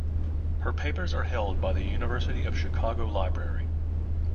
Her papers are held by the University of Chicago Library.